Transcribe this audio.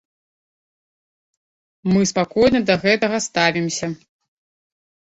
Мы спакойна да гэтага ставімся.